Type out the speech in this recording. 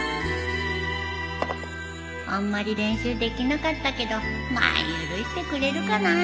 あんまり練習できなかったけどまあ許してくれるかなあ